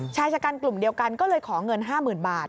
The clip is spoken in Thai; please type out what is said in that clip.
ชายชะกันกลุ่มเดียวกันก็เลยขอเงิน๕๐๐๐บาท